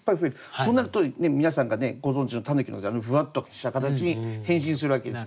そうなると皆さんがご存じの狸のあのふわっとした形に変身するわけです。